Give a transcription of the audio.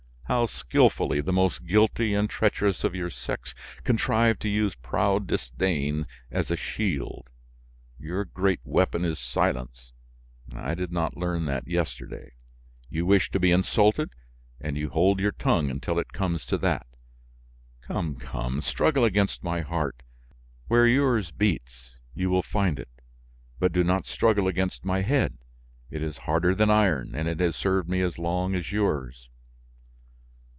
How skilfully the most guilty and treacherous of your sex contrive to use proud disdain as a shield! Your great weapon is silence; I did not learn that yesterday. You wish to be insulted and you hold your tongue until it comes to that; come, come, struggle against my heart; where yours beats, you will find it; but do not struggle against my head, it is harder than iron, and it has served me as long as yours!"